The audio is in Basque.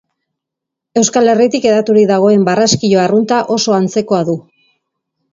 Euskal Herritik hedaturik dagoen barraskilo arrunta oso antzekoa du.